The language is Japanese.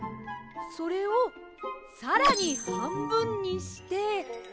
それをさらにはんぶんにして。